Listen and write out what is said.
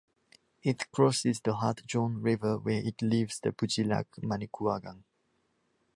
It crosses the Hart Jaune River where it leaves the Petit lac Manicouagan.